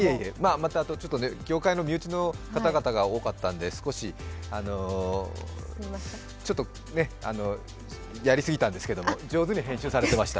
またちょっと業界の身内の方々が多かったんで少し、あのやりすぎたんですけど上手に編集されていました。